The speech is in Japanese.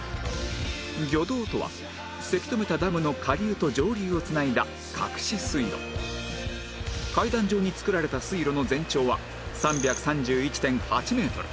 魚道とはせき止めたダムの下流と上流を繋いだ隠し水路階段状に造られた水路の全長は ３３１．８ メートル